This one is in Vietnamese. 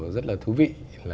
rất là thú vị